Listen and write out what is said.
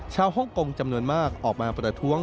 ฮ่องกงจำนวนมากออกมาประท้วง